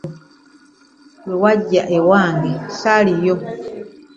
Lwe wajja ewange ssaaliyo.